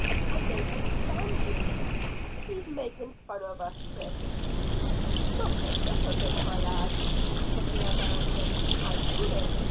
"I don't understand you." "He's making fun of us, Chris." "Not a bit of it, my lad," said the American. "I mean it.